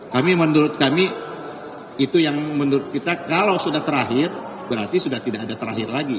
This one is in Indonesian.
kami menurut kami itu yang menurut kita kalau sudah terakhir berarti sudah tidak ada terakhir lagi